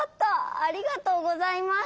ありがとうございます。